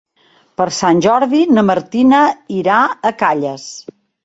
Per Sant Jordi na Martina irà a Calles.